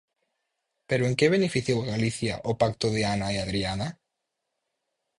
¿Pero en que beneficiou a Galicia o pacto de Ana e Adriana?